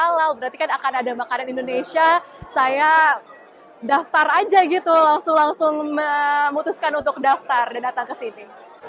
kalau berarti kan akan ada makanan indonesia saya daftar aja gitu langsung langsung memutuskan untuk daftar dan datang ke sini